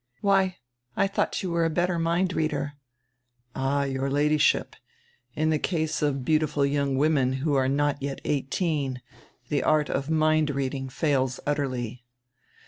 "Why, I diought you were a better mind reader." "All, your Ladyship, in die case of beautiful young women who are not yet eighteen die art of mind reading fails utterly."